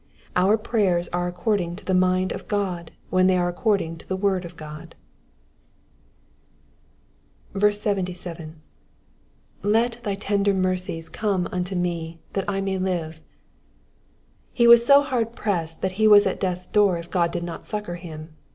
Our prayers are according to the mind of God when they are according to the word of God. 77. *'Xtft thy tender mercies come unto me, that I may live.'*^ He was so bard pressed that he was at death's door if God did not succour him.